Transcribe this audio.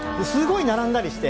並んだりして。